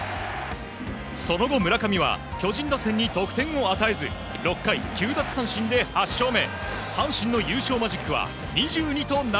その後、村上は巨人打線に得点を与えず、６回９奪三振で８勝目。